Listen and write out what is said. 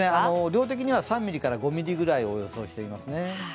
量的には３ミリから５ミリくらいを予想しています。